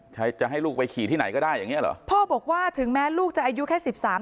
จะให้ลูกไปขี่ที่ไหนก็ได้อย่างเงี้เหรอพ่อบอกว่าถึงแม้ลูกจะอายุแค่สิบสาม